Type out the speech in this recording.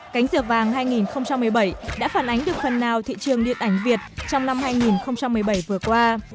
cánh diều vàng hai nghìn một mươi bảy đã phản ánh được phần nào thị trường điện ảnh việt trong năm hai nghìn một mươi bảy vừa qua